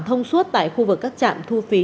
thông suốt tại khu vực các trạm thu phí